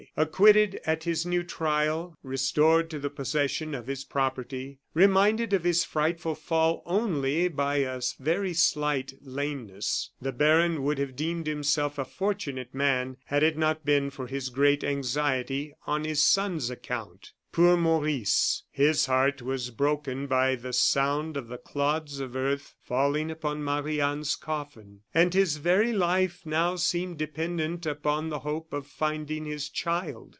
Acquitted at his new trial, restored to the possession of his property, reminded of his frightful fall only by a very slight lameness, the baron would have deemed himself a fortunate man, had it not been for his great anxiety on his son's account. Poor Maurice! his heart was broken by the sound of the clods of earth falling upon Marie Anne's coffin; and his very life now seemed dependent upon the hope of finding his child.